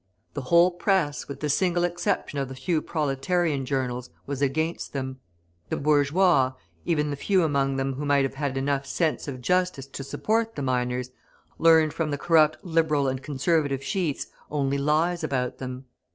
The whole press, with the single exception of the few proletarian journals, was against them; the bourgeois, even the few among them who might have had enough sense of justice to support the miners, learnt from the corrupt Liberal and Conservative sheets only lies about them.